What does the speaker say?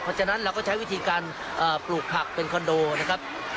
เพราะฉะนั้นเราก็ใช้วิธีการปลูกผักเป็นคอนโดนะครับ